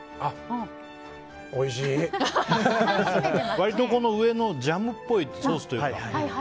割と、この上のジャムっぽいソースというか。